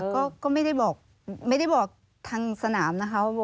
ก็ไม่ได้บอกไม่ได้บอกทางสนามนะคะว่า